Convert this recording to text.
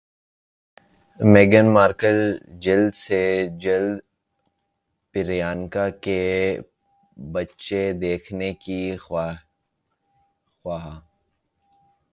میگھن Markle جلد سے جلد پریانکا کے بچے دیکھنے کی خواہاں